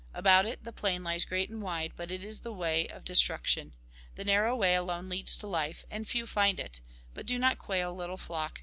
About it the plain lies great and wide, but it is the way of destruction. The narrow way alone leads to life ; and few find it. But do not quail, little flock